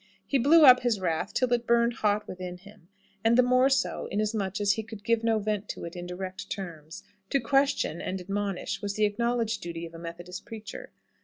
He blew up his wrath until it burned hot within him; and, the more so, inasmuch as he could give no vent to it in direct terms. To question and admonish was the acknowledged duty of a Methodist preacher.